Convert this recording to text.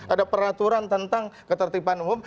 ada peraturan tentang ketertiban umum